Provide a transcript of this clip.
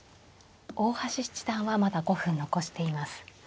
大橋七段はまだ５分残しています。